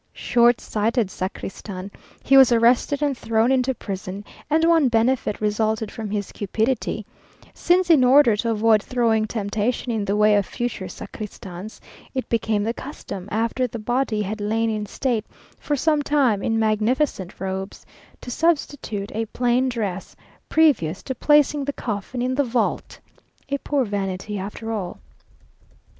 Short sighted sacristan! He was arrested and thrown into prison, and one benefit resulted from his cupidity, since in order to avoid throwing temptation in the way of future sacristans, it became the custom, after the body had lain in state for some time in magnificent robes, to substitute a plain dress previous to placing the coffin in the vault. A poor vanity after all.